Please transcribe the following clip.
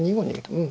うん。